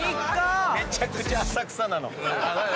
めちゃくちゃ浅草なの。